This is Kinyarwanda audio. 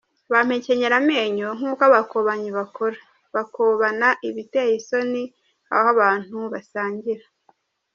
Bampekenyera amenyo nk’uko abakobanyi bakora, Bakobana ibiteye isoni aho abantu basangira.